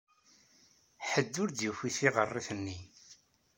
Ḥedd ur d-yufi tiɣerrit-nni.